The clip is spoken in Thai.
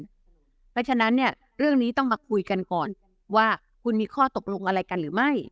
เพราะฉะนั้นเนี่ยเรื่องนี้ต้องมาคุยกันก่อนว่าคุณมีข้อตกลงอะไรกันหรือไม่